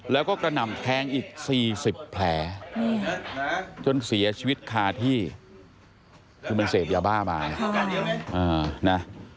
แล้วก็กระหน่ำแทงอีก๔๐แผลจนเสียชีวิตคาที่คือมันเสพยาบ้ามานะ